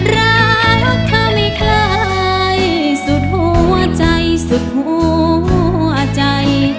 รักเธอไม่คล้ายสุดหัวใจสุดหัวใจ